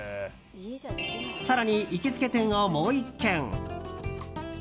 更に行きつけ店をもう１軒。